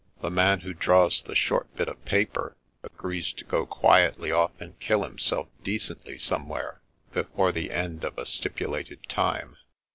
The man who draws the short bit of paper agrees to go quietly off and kill himself decently somewhere, before the end of a stipulated time."